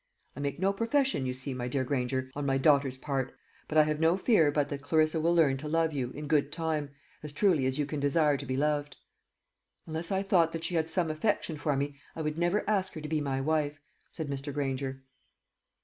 I make no profession, you see, my dear Granger, on my daughter's part; but I have no fear but that Clarissa will learn to love you, in good time, as truly as you can desire to be loved." "Unless I thought that she had some affection for me, I would never ask her to be my wife," said Mr. Granger.